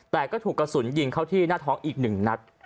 แต่ก็ถูกกระสุนยิงเข้าที่หน้าท้องอีก๑นัด